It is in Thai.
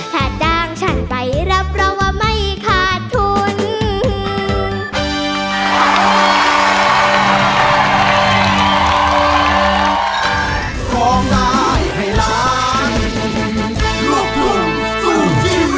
ถ้าจ้างฉันไปรับเราว่าไม่ขาดทุน